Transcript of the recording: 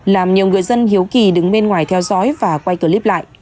làm nhiều người dân hiếu kỳ đứng bên ngoài theo dõi và quay clip lại